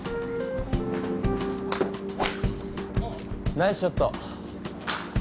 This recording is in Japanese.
ナイスショット。